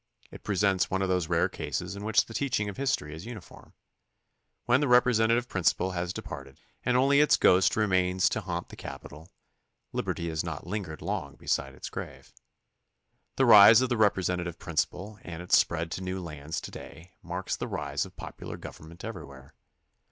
It presents one of those rare cases in which the teaching of history is uniform. When the repre sentative principle has departed and only its ghost THE CONSTITUTION AND ITS MAKERS 69 remains to haunt the capitol; Hberty has not Ungered long beside its grave. The rise of the representative principle and its spread to new lands to day marks the rise of popular government everywhere.